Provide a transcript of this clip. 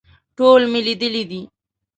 ټول مې لیدلي دي.